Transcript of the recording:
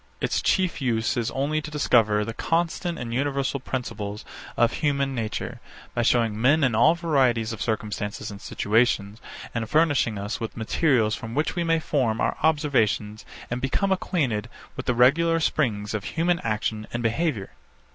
Its chief use is only to discover the constant and universal principles of human nature, by showing men in all varieties of circumstances and situations, and furnishing us with materials from which we may form our observations and become acquainted with the regular springs of human action and behaviour.